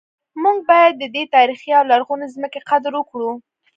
موږ باید د دې تاریخي او لرغونې ځمکې قدر وکړو